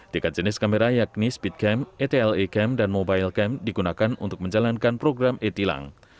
tiga jenis kamera yakni speedcam etla cam dan mobile cam digunakan untuk menjalankan program etlang